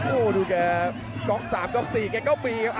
โอ้โหดูแกก๊อกสามก๊อกสี่แกก๊อกบีครับ